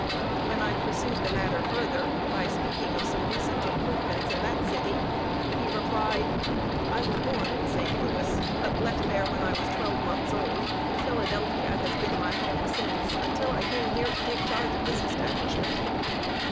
When I pursued the matter further, by speaking of some recent improvements in that city, he replied: "I was born in St. Louis, but left there when I was twelve months old. Philadelphia has been my home since, until I came here to take charge of this establishment."